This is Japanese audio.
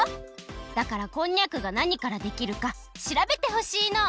だからこんにゃくがなにからできるかしらべてほしいの！